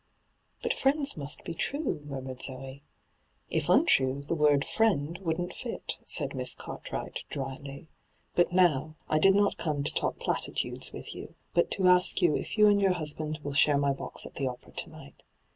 *' But friends must be true,' murmured Zoe. ' If untrue, the word " friend " wouldn't fit,' said MiBB Cartwright, dryly. ' But now, I did not come to talk platitudes with you, but to ask you if you and your husband will share my box at the opera to night.